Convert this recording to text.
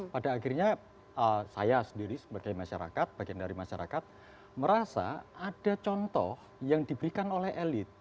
pada akhirnya saya sendiri sebagai masyarakat bagian dari masyarakat merasa ada contoh yang diberikan oleh elit